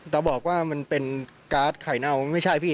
เราบอกว่ามันเป็นการ์ดไข่เน่าไม่ใช่พี่